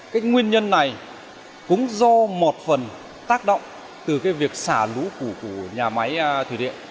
cái nguyên nhân này cũng do một phần tác động từ cái việc xả lũ của nhà máy thủy điện